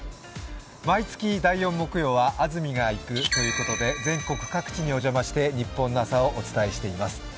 毎月、第４木曜は「安住がいく」ということで全国各地にお邪魔して日本の朝をお伝えしています。